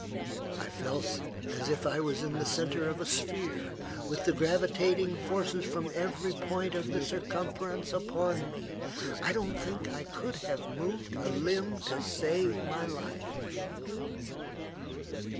I felt as if I were in the centre of a sphere, with the gravitating forces from every point of the circumference upon me. I don't think I could have moved a limb to save my life.